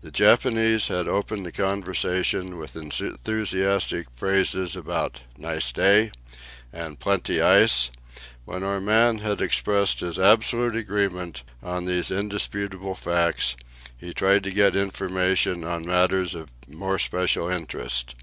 The Japanese had opened the conversation with enthusiastic phrases about "nice day" and "plenty ice"; when our man had expressed his absolute agreement on these indisputable facts, he tried to get information on matters of more special interest.